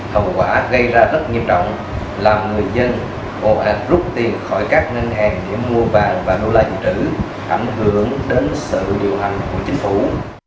hậu quả gây ra rất nghiêm trọng làm người dân bộ hạt rút tiền khỏi các ngân hàng để mua vàng và đô la dự trữ ảnh hưởng đến sự điều hành của chính phủ